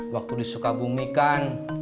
waktu disuka bumikan